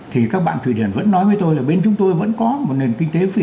thì các bạn thụy điển vẫn nói với tôi là bên chúng tôi vẫn có một nền kinh tế phi